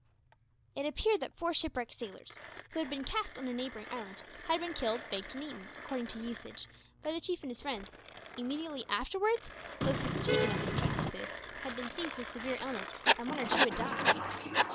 It appeared that four shipwrecked sailors, who had been cast on a neighbouring island, had been killed, baked, and eaten, according to usage, by the chief and his friends. Immediately afterwards, those who had partaken of this dreadful food had been seized with severe illness, and one or two had died.